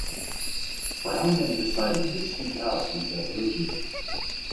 Brown then decided to seek out these Aborigines.